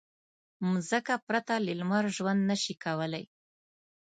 مځکه پرته له لمر ژوند نه شي کولی.